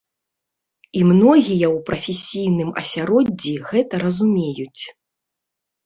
І многія ў прафесійным асяроддзі гэта разумеюць.